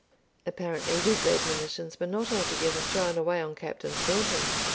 Apparently these admonitions were not altogether thrown away on Captain Thornton.